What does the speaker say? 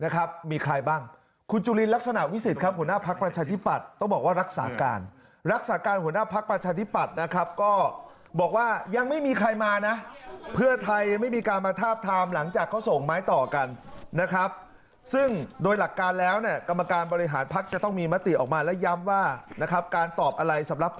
สิ่งด้วยหลักการแล้วเนี่ยกรรมการบริหารภาครจะต้องมีมติออกมา